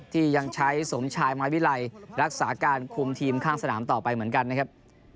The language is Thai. ที่ยังใช้สมชายไม้วิไลรักษาการคุมทีมข้างสนามต่อไปเหมือนกันนะครับ